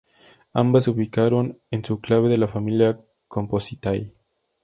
Ambas se ubicaron en su clave de la familia Compositae.